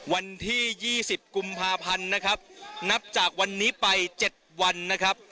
วันที่๒๐กุมภาพันธ์นะครับนับจากวันนี้ไป๗วันนะครับ